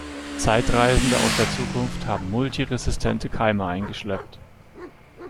Zeitreisende aus der Zukunft haben multiresistente Keime eingeschleppt.